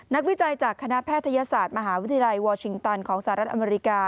วิจัยจากคณะแพทยศาสตร์มหาวิทยาลัยวอร์ชิงตันของสหรัฐอเมริกา